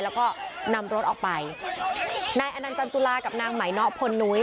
แล้วก็นำรถออกไปนายอนันจันตุลากับนางไหมเนาะพลนุ้ย